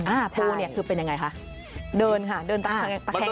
อ่าปูเนี่ยคือเป็นยังไงคะเดินค่ะเดินตะแคง